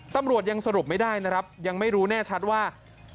ตำรวจยังสรุปไม่ได้นะครับยังไม่รู้แน่ชัดว่า